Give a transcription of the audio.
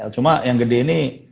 cuma yang gede ini